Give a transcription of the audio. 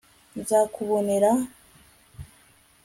nzakubonera